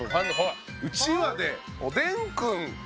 ほらうちわで「おでんくん」